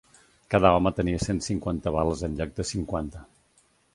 Cada home tenia cent cinquanta bales en lloc de cinquanta